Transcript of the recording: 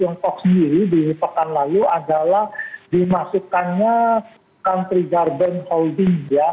yang tiongkok sendiri dihipakan lalu adalah dimasukkannya country garden holding ya